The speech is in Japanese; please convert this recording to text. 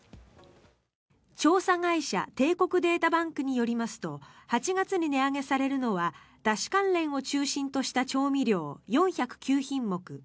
調査会社帝国データバンクによりますと８月に値上げされるのはだし関連を中心とした調味料４０９品目